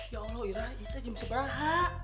ya allah ira itu jam seberapa